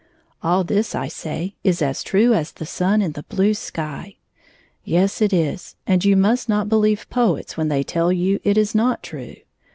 All this, I say, is as true as the sun in the blue sky. Yes, it is ; and you must not believe poets when they tell you it is not true.